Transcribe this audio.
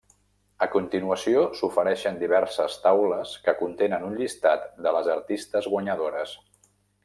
A continuació s'ofereixen diverses taules que contenen un llistat de les artistes guanyadores.